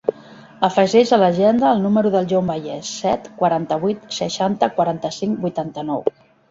Afegeix a l'agenda el número del John Valles: set, quaranta-vuit, seixanta, quaranta-cinc, vuitanta-nou.